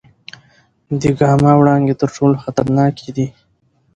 د ګاما وړانګې تر ټولو خطرناکې دي.